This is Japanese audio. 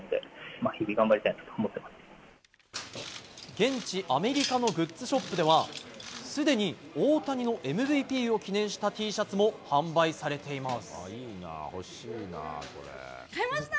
現地アメリカのグッズショップではすでに大谷のＭＶＰを記念したＴシャツも販売されています。